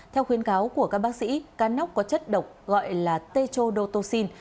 theo khuyến cáo của các bác sĩ cá nóc có chất độc gọi là t chodotoxin